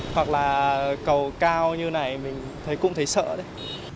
hoặc là cầu cao như này mình thấy cũng thấy sợ đấy